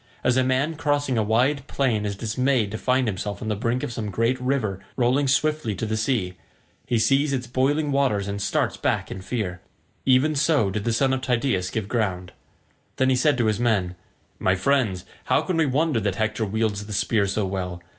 As a man crossing a wide plain is dismayed to find himself on the brink of some great river rolling swiftly to the sea—he sees its boiling waters and starts back in fear—even so did the son of Tydeus give ground. Then he said to his men, "My friends, how can we wonder that Hector wields the spear so well?